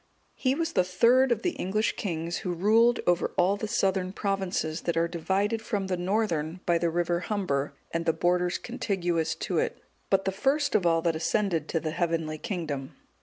He was the third of the English kings who ruled over all the southern provinces that are divided from the northern by the river Humber and the borders contiguous to it;(190) but the first of all that ascended to the heavenly kingdom.